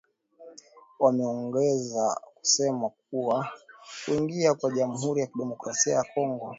Wameongeza kusema kuwa kuingia kwa jamuhuri ya kidemokrasia ya Kongo